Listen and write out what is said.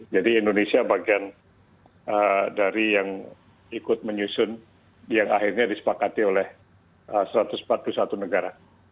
jadi indonesia bagian dari yang ikut menyusun yang akhirnya disepakati oleh satu ratus empat puluh satu negara